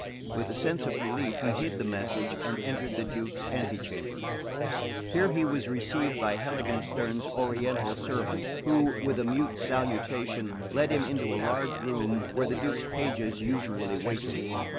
With a sense of relief he hid the message and entered the Duke's antechamber. Here he was received by Heiligenstern's Oriental servant, who, with a mute salutation, led him into a large room where the Duke's pages usually waited.